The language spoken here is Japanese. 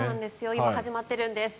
今始まっているんです。